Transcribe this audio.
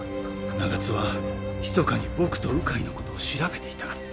長津はひそかに僕と鵜飼の事を調べていた。